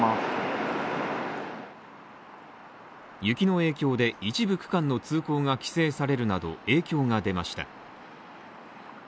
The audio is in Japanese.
雪の影響で一部区間の通行が規制されるなど影響が出ました。